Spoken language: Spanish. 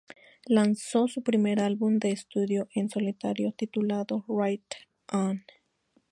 Lanzó su primer álbum de estudio en solitario titulado "Right On!